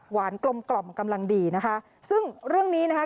กลมกล่อมกำลังดีนะคะซึ่งเรื่องนี้นะคะ